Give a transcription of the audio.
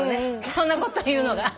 そんなこと言うのが。